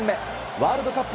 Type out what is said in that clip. ワールドカップ